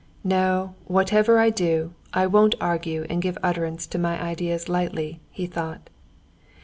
"No, whatever I do, I won't argue and give utterance to my ideas lightly," he thought.